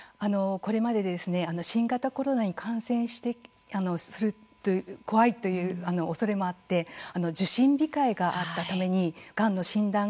これまで新型コロナに感染すると怖いというおそれもあって受診控えがあってがんの診断